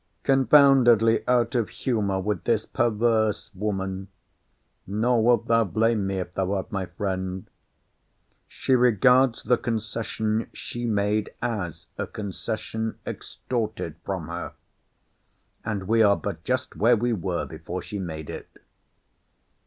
Confoundedly out of humour with this perverse woman!—Nor wilt thou blame me, if thou art my friend. She regards the concession she made, as a concession extorted from her: and we are but just where we were before she made it.